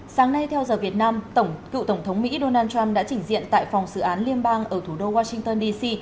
sáng nay theo giờ việt nam cựu tổng thống mỹ donald trump đã chỉnh diện tại phòng xử án liên bang ở thủ đô washington d c